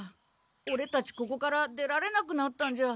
オレたちここから出られなくなったんじゃ。